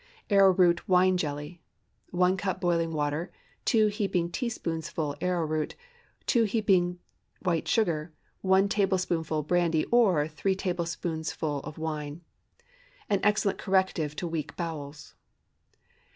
ARROWROOT WINE JELLY. ✠ 1 cup boiling water. 2 heaping teaspoonfuls arrowroot. 2 heaping white sugar. 1 tablespoonful brandy or 3 tablespoonfuls of wine. An excellent corrective to weak bowels.